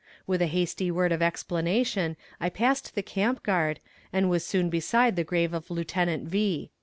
With a hasty word of explanation I passed the camp guard, and was soon beside the grave of Lieutenant V.